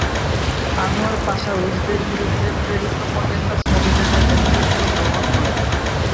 Anwar Pasha রুশদের বিরুদ্ধে প্রেরিত ককেসাস অভিযানের নেতৃত্ব গ্রহণ করেন।